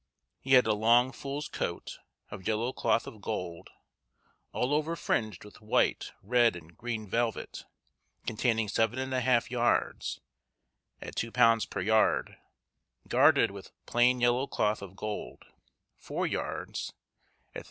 He had a long fool's coat, of yellow cloth of gold, all over fringed with white, red, and green velvet, containing 7½ yards, at £2 per yard, garded with plain yellow cloth of gold, four yards, at 33_s.